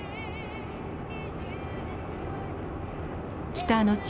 北の地